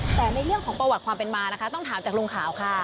แต่ในเรื่องของประวัติความเป็นมานะคะต้องถามจากลุงขาวค่ะ